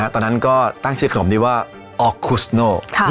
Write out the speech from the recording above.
ตอนนั้นก็ตั้งชื่อขนมนี้ว่าออกคุสโน